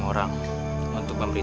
kamu akan penuh jalan